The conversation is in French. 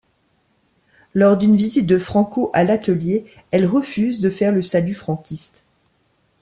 Lors d'une visite de Franco à l'atelier, elle refuse de faire le salut franquiste.